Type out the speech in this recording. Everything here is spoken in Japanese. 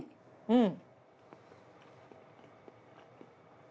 うん！